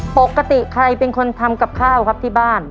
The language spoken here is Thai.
ปกติใครเป็นคนทำกับข้าวครับที่บ้าน